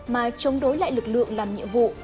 mà chống đối lại lực lượng làm nhiệm vụ